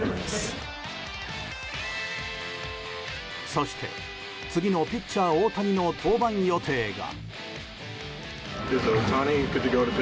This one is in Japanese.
そして、次のピッチャー大谷の登板予定が。